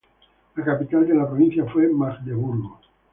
La capital de la provincia fue Magdeburgo.